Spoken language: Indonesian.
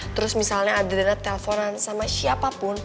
terus misalnya adrena telponan sama siapapun